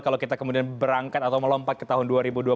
kalau kita kemudian berangkat atau melompat ke tahun dua ribu dua puluh